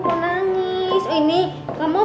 aduh aduh aduh